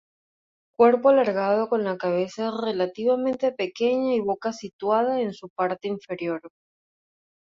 Cuerpo alargado con la cabeza relativamente pequeña y boca situada en su parte inferior.